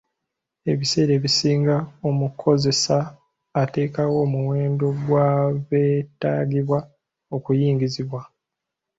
Ebiseera ebisinga, omukozesa ateekawo omuwendo gw'abeetaagibwa okuyingizibwa.